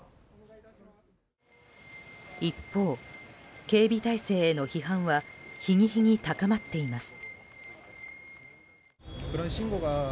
一方、警備態勢への批判は日に日に高まっています。